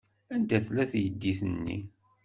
Anda tella teydit-nni?